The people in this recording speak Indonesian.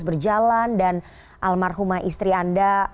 berjalan dan almarhumah istri anda